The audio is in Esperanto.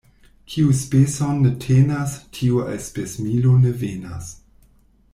Kiu speson ne tenas, tiu al spesmilo ne venas.